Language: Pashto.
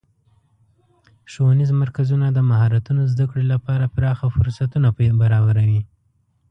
ښوونیز مرکزونه د مهارتونو زدهکړې لپاره پراخه فرصتونه برابروي.